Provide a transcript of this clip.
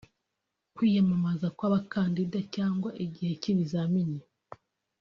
kwiyamamaza kw’abakandida cyangwa igihe cy’ibizami